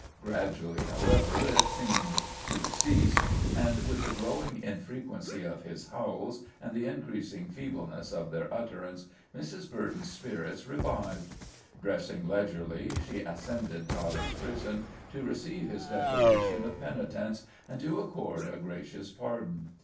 Gradually, however, it seemed to cease, and with the growing infrequency of his howls and the increasing feebleness of their utterance, Mrs. Burton's spirits revived. Dressing leisurely, she ascended Toddie's prison to receive his declaration of penitence and to accord a gracious pardon.